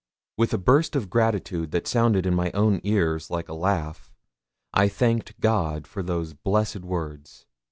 With a burst of gratitude that sounded in my own ears like a laugh, I thanked God for those blessed words.